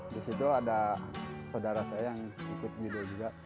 di situ ada saudara saya yang ikut judo juga